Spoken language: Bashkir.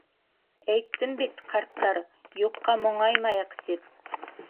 — Әйттем бит, ҡарттар, юҡҡа моңаймайыҡ, тип.